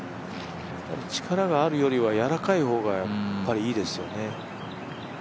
力があるよりは、やわらかい方がいいですよね。